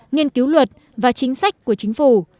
nghiên cứu luật và chính sách của chính phủ